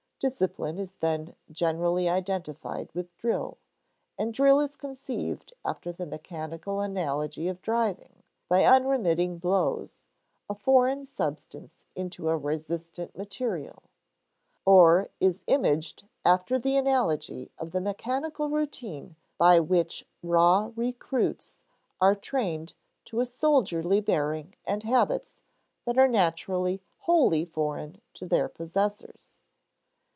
Discipline is then generally identified with drill; and drill is conceived after the mechanical analogy of driving, by unremitting blows, a foreign substance into a resistant material; or is imaged after the analogy of the mechanical routine by which raw recruits are trained to a soldierly bearing and habits that are naturally wholly foreign to their possessors.